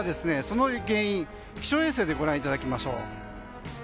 その原因、気象衛星でご覧いただきましょう。